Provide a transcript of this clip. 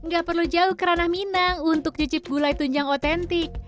gak perlu jauh ke ranah minang untuk cicip gulai tunjang otentik